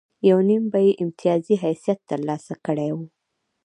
یو نیم به یې امتیازي حیثیت ترلاسه کړی و.